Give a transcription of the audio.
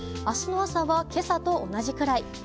明日の朝は今朝と同じくらい。